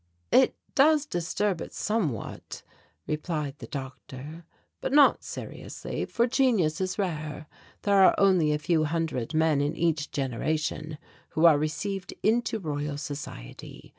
"It does disturb it somewhat," replied the doctor, "but not seriously, for genius is rare. There are only a few hundred men in each generation who are received into Royal Society.